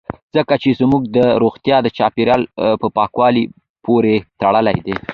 ځکه چې زموږ روغتیا د چاپیریال په پاکوالي پورې تړلې ده